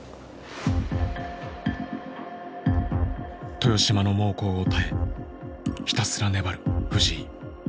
豊島の猛攻を耐えひたすら粘る藤井。